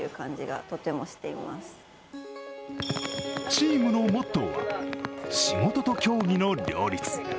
チームのモットーは「仕事と競技の両立」。